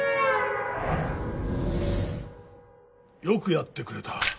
よくやってくれた。